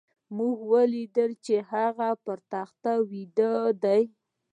موږ وليدل چې هغه پر تخت ويده دی.